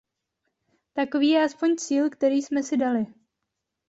Takový je aspoň cíl, který jsme si dali.